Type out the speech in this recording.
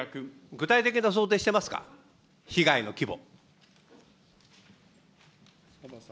具体的な想定してますか、被害の規模。